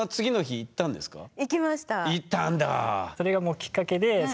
行ったんだあ。